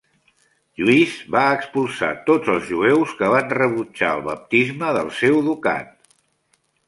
Lluís va expulsar tots els jueus que van rebutjar el baptisme del seu ducat.